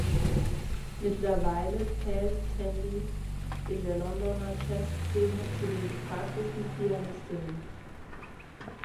Mittlerweile zählt Tandy in der Londoner Jazzszene zu den gefragtesten Pianistinnen.